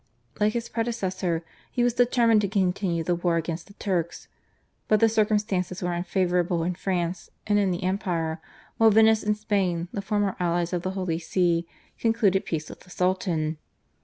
Like his predecessor he was determined to continue the war against the Turks, but the circumstances were unfavourable in France and in the Empire, while Venice and Spain, the former allies of the Holy See, concluded peace with the Sultan.